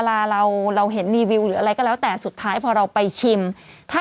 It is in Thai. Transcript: ถ้าร้านไหนเยอะเมื่อก่อนจำได้ไหมล่ะ